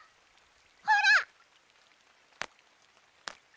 ほら！